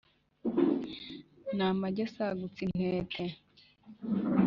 n’amagi asagutse intete,